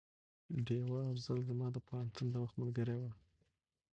ډيوه افصل زما د پوهنتون د وخت ملګرې وه